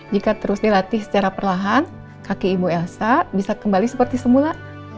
jika terus dilatih secara perlahan kaki ibu elsa bisa kembali seperti semula